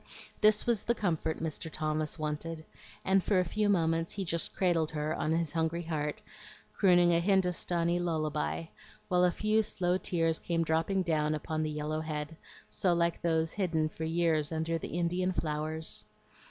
This was the comfort Mr. Thomas wanted, and for a few moments he just cradled her on his hungry heart, crooning a Hindostanee lullaby, while a few slow tears came dropping down upon the yellow head, so like those hidden for years under the Indian flowers.